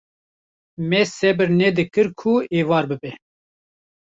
Me sebir nedikir ku êvar bibe